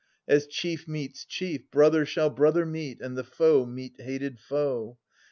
As chief meets chief, brother shall brother meet» And foe meet hated foe.